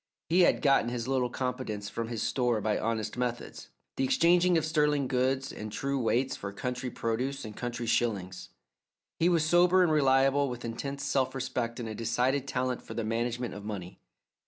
He had gotten his little competence from his store by honest methods the exchanging of sterling goods and true weights for country produce and country shillings. He was sober and reliable, with intense self respect and a decided talent for the management of money.